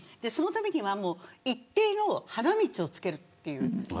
そのためには一定の花道をつけるっていう。